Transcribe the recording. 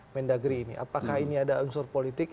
mendagri ini apakah ini ada unsur politik